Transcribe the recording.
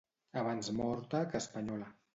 Abans morta que espanyola